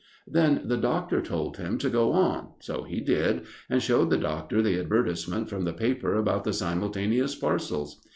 Then the doctor told him to go on, so he did, and showed the doctor the advertisement from the paper about the simultaneous parcels.